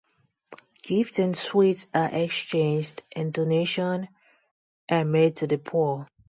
Gifts and sweets are exchanged and donation are made to the poor.